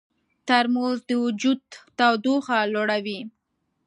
ترموز د وجود تودوخه لوړوي.